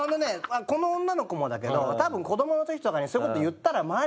この女の子もだけど多分子どもの時とかにそういう事言ったらハハハ！